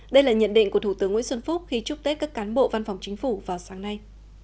đây là nhận định của thủ tướng nguyễn xuân phúc khi chúc tết các cán bộ văn phòng chính phủ vào sáng nay